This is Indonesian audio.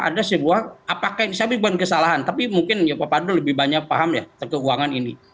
ada sebuah apakah ini saya beban kesalahan tapi mungkin ya pak pandu lebih banyak paham ya tentang keuangan ini